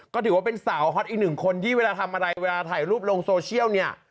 ก็ถือว่าเป็นสาวฮอตอีกหนึ่งคนที่เวลาทำอะไรเวลาถ่ายรูปลงโซเชียลเนี่ย